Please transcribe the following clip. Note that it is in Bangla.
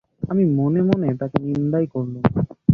আমি মনে মনে তাঁকে নিন্দাই করলুম।